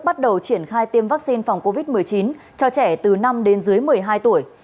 bắt đầu triển khai tiêm vaccine phòng covid một mươi chín cho trẻ từ năm đến dưới một mươi hai tuổi